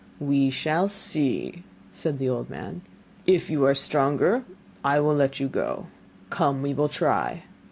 'We shall see,' said the old man. 'If you are stronger, I will let you go come, we will try.